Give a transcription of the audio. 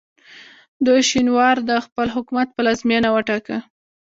دوی شینوار د خپل حکومت پلازمینه وټاکه.